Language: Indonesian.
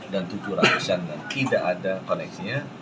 tujuh ratus an dan tidak ada koneksinya